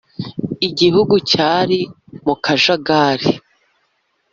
igihugu cyari mu kajagari